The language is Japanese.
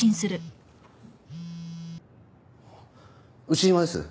牛島です。